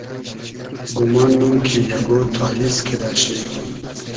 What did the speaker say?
گومانوم کی اگۉ تاییز کیدۂ شی